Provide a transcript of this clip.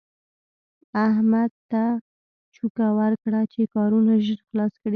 احمد ته چوکه ورکړه چې کارونه ژر خلاص کړي.